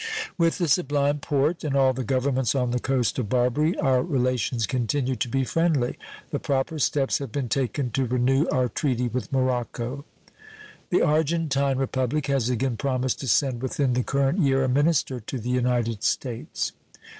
With the Sublime Porte and all the Governments on the coast of Barbary our relations continue to be friendly. The proper steps have been taken to renew our treaty with Morocco. The Argentine Republic has again promised to send within the current year a minister to the United States.